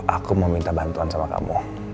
aku mau minta bantuan sama kamu